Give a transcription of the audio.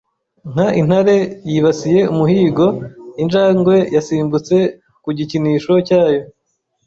Nka intare yibasiye umuhigo, injangwe yasimbutse ku gikinisho cyayo.